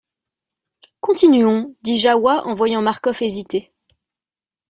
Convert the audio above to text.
Continuons, dit Jahoua en voyant Marcof hésiter.